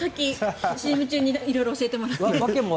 ＣＭ中に色々教えてもらって。